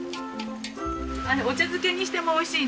お茶漬けにしてもおいしいので。